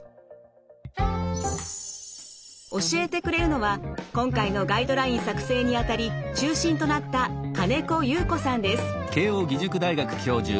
教えてくれるのは今回のガイドライン作成にあたり中心となった金子祐子さんです。